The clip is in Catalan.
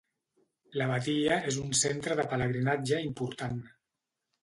L'abadia és un centre de pelegrinatge important.